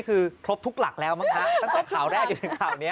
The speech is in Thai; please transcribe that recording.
คือครบทุกหลักแล้วมั้งคะตั้งแต่ข่าวแรกจนถึงข่าวนี้